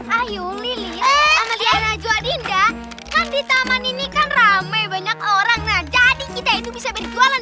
ayo lili melihat najwa dinda di taman ini kan ramai banyak orang jadi kita itu bisa berjualan